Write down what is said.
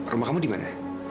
rumah kamu dimana